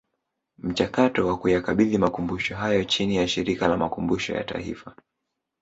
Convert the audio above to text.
Mchakato wa kuyakabidhi Makumbusho hayo chini ya Shirika la Makumbusho ya Taifa